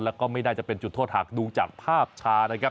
แล้วก็ไม่ได้จะเป็นจุดโทษหากดูจากภาพช้า